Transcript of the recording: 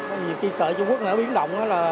nhiều khi sợi trung quốc nó biến động